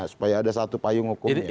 supaya ada satu payung hukumnya